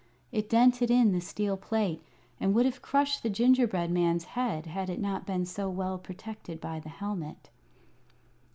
It dented in the steel plate, and would have crushed the gingerbread man's head had it not been so well protected by the helmet.